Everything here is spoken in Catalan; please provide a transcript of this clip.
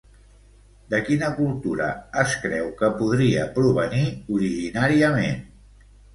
De quina cultura es creu que podria provenir originàriament?